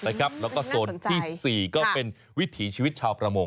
แล้วก็โซนที่๔ก็เป็นวิถีชีวิตชาวประมง